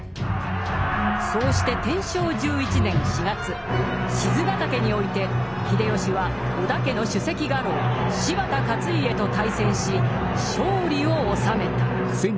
そうして天正１１年４月賤ヶ岳において秀吉は織田家の首席家老柴田勝家と対戦し勝利を収めた。